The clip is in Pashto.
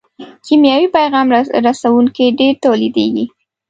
کیمیاوي پیغام رسوونکي ډېر تولیدیږي.